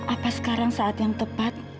apa sekarang saat yang tepat